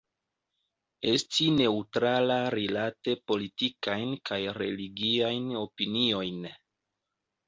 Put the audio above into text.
Esti neŭtrala rilate politikajn kaj religiajn opiniojn.